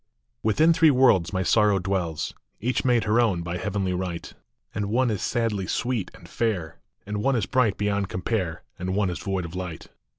ITHIN three worlds my Sorrow dwells ; Each made her own by heavenly right ;,... And one is sadly sweet and fair, And one is bright beyond compare, And one is void of light.